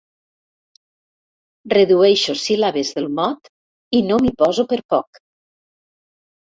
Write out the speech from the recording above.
Redueixo síl·labes del mot, i no m'hi poso per poc.